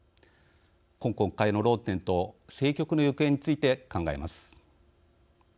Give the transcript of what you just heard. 今国会の論点と政局の行方について考えます。